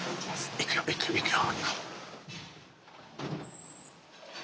行くよ行くよ行くよ。